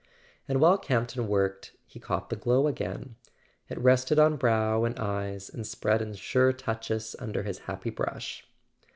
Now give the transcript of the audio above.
And while Campton worked he caught the glow again; it rested on brow and eyes, and spread in sure touches under his happy brush.